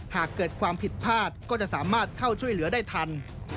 หากเกิดความผิดพลาดก็จะสามารถเข้าช่วยเหลือได้ทัน